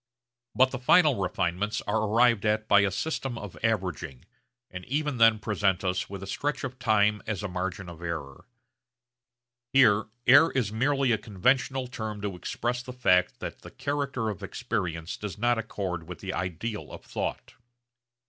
But the final refinements are arrived at by a system of averaging, and even then present us with a stretch of time as a margin of error. Here error is merely a conventional term to express the fact that the character of experience does not accord with the ideal of thought.